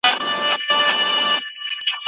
ځینو څېړنو مثبتې پایلې ښودلې دي.